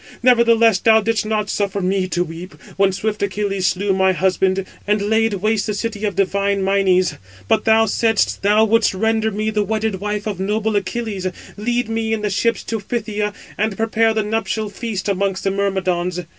Nevertheless, thou didst not suffer me to weep, when swift Achilles slew my husband, and laid waste the city of divine Mynes, but thou saidst thou wouldst render me the wedded wife 637 of noble Achilles, lead me in the ships to Phthia, and prepare the nuptial feast amongst the Myrmidons.